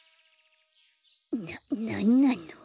ななんなの。